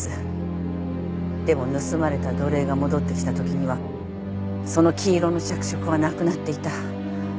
でも盗まれた土鈴が戻ってきたときにはその黄色の着色はなくなっていた。